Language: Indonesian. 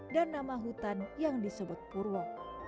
dan nama hutan yang disebut purwo